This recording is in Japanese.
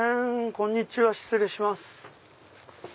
こんにちは失礼します。